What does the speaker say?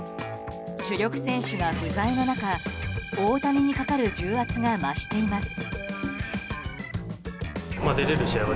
主力選手が不在の中大谷にかかる重圧が増しています。